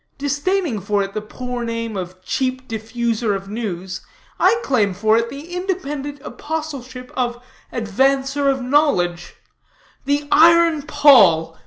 Disdaining for it the poor name of cheap diffuser of news, I claim for it the independent apostleship of Advancer of Knowledge: the iron Paul!